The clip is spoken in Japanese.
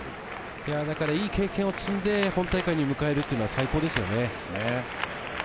だからいい経験を積んで本大会を迎えるのは最高です。